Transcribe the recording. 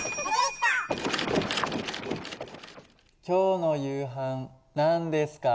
今日の夕飯何ですか？